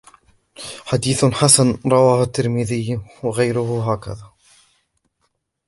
حديثٌ حَسَنٌ رواه التِّرمذيُّ وغيرُه هكذا